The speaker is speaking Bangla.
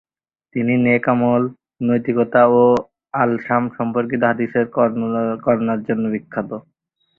তিনি নেক আমল, নৈতিকতা ও আল-শাম সম্পর্কিত হাদিসের বর্ণনার জন্য বিখ্যাত।